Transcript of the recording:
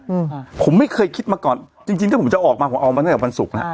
อืมผมไม่เคยคิดมาก่อนจริงจริงถ้าผมจะออกมาผมเอามาตั้งแต่วันศุกร์แล้ว